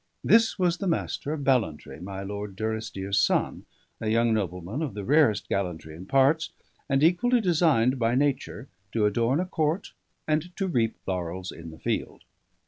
This was the Master of Ballantrae, my Lord Durrisdeer's son, a young nobleman of the rarest gallantry and parts, and equally designed by nature to adorn a Court and to reap laurels in the field.